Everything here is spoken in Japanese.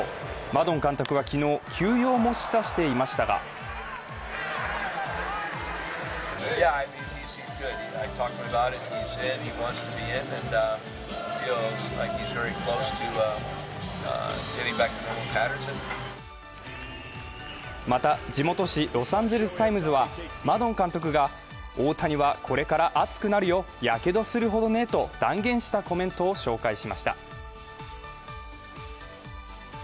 マドン監督は昨日、休養も示唆していましたがまた地元紙ロサンゼルス・タイムズはマドン監督が、大谷はこれから熱くなるよやけどするほどねと断言したコメントを紹介しました。